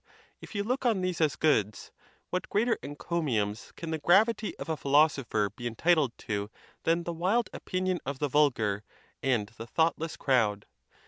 If you look on these as goods, what greater encomiums can the gravity of a philosopher be entitled to than the wild opinion of the vulgar and the thoughtless crowd?